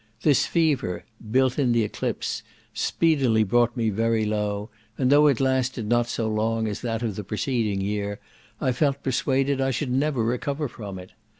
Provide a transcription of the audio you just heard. This fever, "built in th' eclipse," speedily brought me very low, and though it lasted not so long as that of the preceding year, I felt persuaded I should never recover from it.